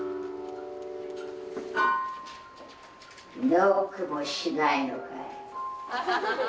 ノックもしないのかい。